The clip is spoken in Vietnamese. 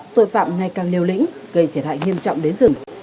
tội phạm ngày càng liều lĩnh gây thiệt hại nghiêm trọng đến rừng